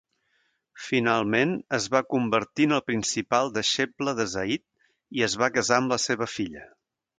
Finalment es va convertir en el principal deixeble de Zahid i es va casar amb la seva filla.